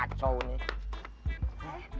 keliatannya senang banget